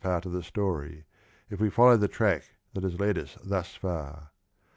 part of the story, if we follow the track that has led us thus far.